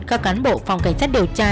các cán bộ phòng cảnh sát điều tra